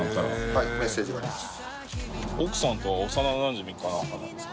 はいメッセージがあります。